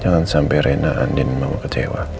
jangan sampai rena andin memang kecewa